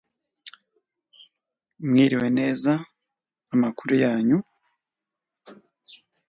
n'agahinda ahagatiye